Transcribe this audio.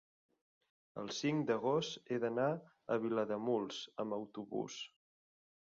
el cinc d'agost he d'anar a Vilademuls amb autobús.